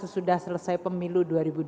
sudah selesai pemilu dua ribu dua puluh